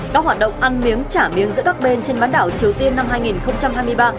các hoạt động ăn miếng trả miếng giữa các bên trên bán đảo triều tiên năm hai nghìn hai mươi ba